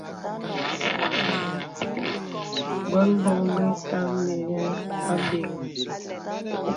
Bōn bǒŋ be təməŋhe àbəŋhə.